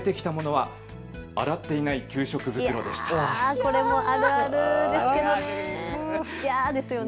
これもあるあるですけどね。